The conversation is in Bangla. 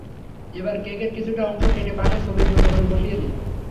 এবার কেকের কিছুটা অংশ কেটে পাশে ছবির মতো করে বসিয়ে দিন।